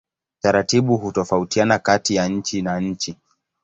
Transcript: Taratibu hutofautiana kati ya nchi na nchi.